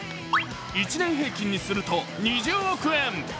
１年平均にすると２０億円！